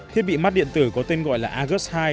thiết bị mắt điện tử có tên gọi là azut hai